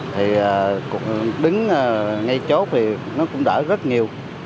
thì cũng đứng ngay chốt thì nó cũng đỡ rất nhiều